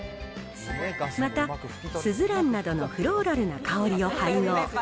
また、スズランなどのフローラルな香りを配合。